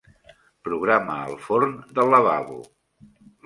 Programa el forn del lavabo.